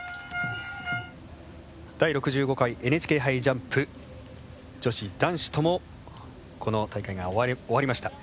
第６５回ＮＨＫ杯ジャンプ女子・男子ともこの大会が終わりました。